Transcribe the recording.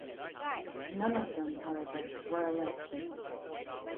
None of them however were elected.